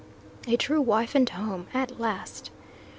A TRUE WIFE AND HOME, AT LAST.